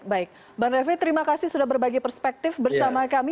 mbak yeni terima kasih sudah berbagi perspektif bersama kami